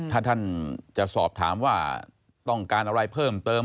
ถ้าท่านจะสอบถามว่าต้องการอะไรเพิ่มเติม